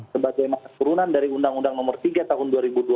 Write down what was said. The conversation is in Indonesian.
sebagai maka turunan dari undang undang nomor tiga tahun dua ribu dua puluh dua